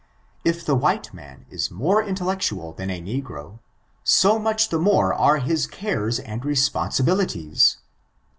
If the white man is more intellectual than a negro, so much the more are his cares and responsibilities.